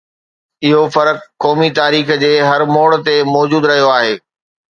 اهو فرق قومي تاريخ جي هر موڙ تي موجود رهيو آهي.